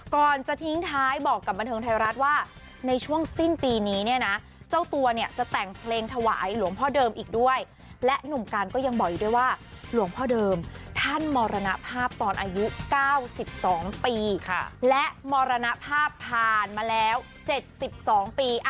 ก่อนจะทิ้งท้ายบอกกับบันเทิงไทยรัฐว่าในช่วงสิ้นปีนี้เนี่ยนะเจ้าตัวเนี่ยจะแต่งเพลงถวายหลวงพ่อเดิมอีกด้วยและหนุ่มการก็ยังบอกอีกด้วยว่าหลวงพ่อเดิมท่านมรณภาพตอนอายุ๙๒ปีและมรณภาพผ่านมาแล้ว๗๒ปี